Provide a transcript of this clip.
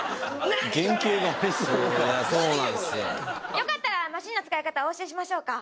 何よそれよかったらマシンの使い方お教えしましょうか？